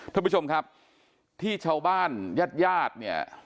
ท่านผู้ชมครับที่ชาวบ้านญาติญาติเนี่ย